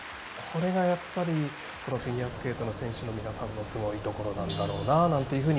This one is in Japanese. これが、やっぱりフィギュアスケートの選手の皆さんのすごいところなんだろうななんて